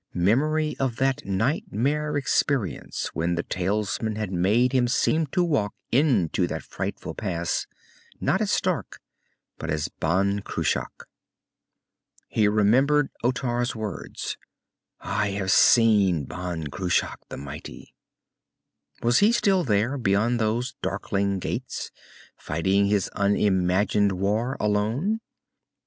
Memory of that nightmare experience when the talisman had made him seem to walk into that frightful pass, not as Stark, but as Ban Cruach. He remembered Otar's words I have seen Ban Cruach the mighty. Was he still there beyond those darkling gates, fighting his unimagined war, alone?